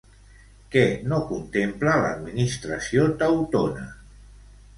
Què no contempla l'administració teutona?